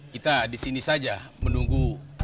kita disini saja menunggu